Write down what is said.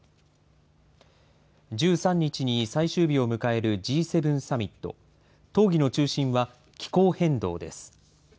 １３日に最終日を迎えるＧ７サミット、討議の中心は気候変動です。